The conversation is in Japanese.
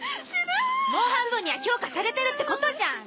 もう半分には評価されてるってことじゃん！